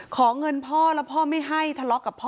ขอเงินพ่อแล้วพ่อไม่ให้ทะเลาะกับพ่อ